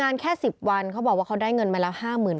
จากนั้นก็จะนำมาพักไว้ที่ห้องพลาสติกไปวางเอาไว้ตามจุดนัดต่าง